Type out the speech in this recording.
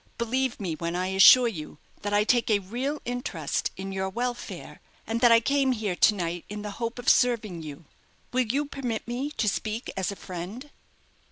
Believe me, when I assure you that I take a real interest in your welfare, and that I came here to night in the hope of serving you. Will you permit me to speak as a friend?"